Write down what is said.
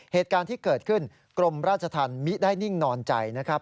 เหตุการณ์ที่เกิดขึ้นกรมราชธรรมมิได้นิ่งนอนใจนะครับ